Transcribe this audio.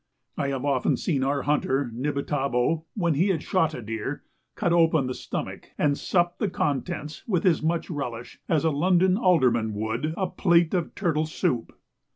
I have often seen our hunter, Nibitabo, when he had shot a deer, cut open the stomach, and sup the contents with as much relish as a London alderman would a plate of turtle soup.